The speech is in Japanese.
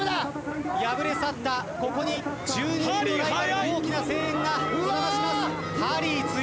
敗れ去ったここに１２人のライバルの大きな声援がこだまします。